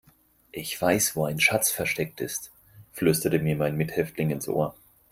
"Ich weiß, wo ein Schatz versteckt ist", flüsterte mir mein Mithäftling ins Ohr.